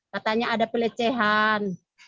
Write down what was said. katanya ada pelecehan